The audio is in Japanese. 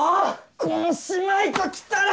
この姉妹ときたら！